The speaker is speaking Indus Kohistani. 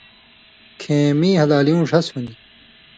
کِھیں مِیں ہلالیُوں ڙھس ہُون٘دیۡ۔